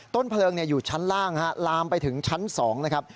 เพลิงอยู่ชั้นล่างลามไปถึงชั้น๒นะครับ